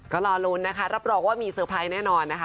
ก็รอลุ้นนะคะรับรองว่ามีเซอร์ไพรส์แน่นอนนะคะ